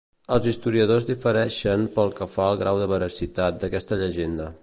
Els historiadors difereixen pel que fa al grau de veracitat d'aquesta llegenda.